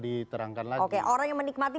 diterangkan lagi orang yang menikmati